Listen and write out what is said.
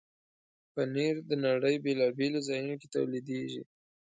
پنېر د نړۍ بیلابیلو ځایونو کې تولیدېږي.